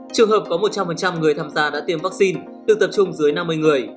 trường hợp có một trăm linh người tham gia đã tiêm vaccine được tập trung dưới năm mươi người